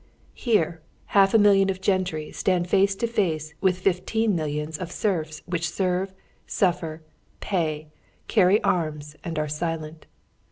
Here half a million of gentry stand face to face with fifteen millions of serfs which serve, suffer, pay, carry arms, and are silent.